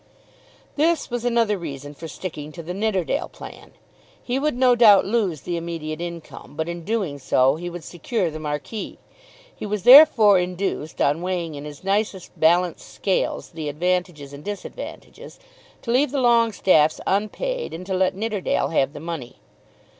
This was another reason for sticking to the Nidderdale plan. He would no doubt lose the immediate income, but in doing so he would secure the Marquis. He was therefore induced, on weighing in his nicest balanced scales the advantages and disadvantages, to leave the Longestaffes unpaid and to let Nidderdale have the money.